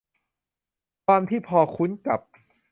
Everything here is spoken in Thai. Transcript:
ความที่พอคุ้นกับ